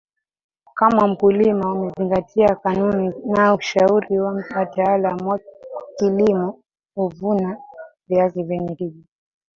kama mkuliama amezingatia kanuni na ushauri wa wataalam wa kilimo huvuna viazi vyenye tija